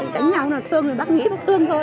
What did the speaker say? chẳng nhau là thương thì bác nghĩ bất thương thôi